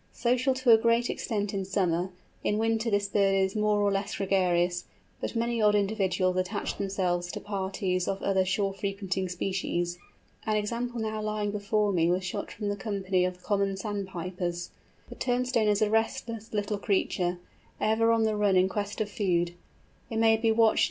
Social to a great extent in summer, in winter this bird is more or less gregarious; but many odd individuals attach themselves to parties of other shore frequenting species. An example now lying before me was shot from the company of Common Sandpipers. The Turnstone is a restless little creature, ever on the run in quest of food.